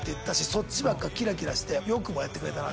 そっちばっかキラキラしてよくもやってくれたな！